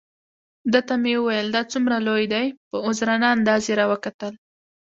ده ته مې وویل: دا څومره لوی دی؟ په عذرانه انداز یې را وکتل.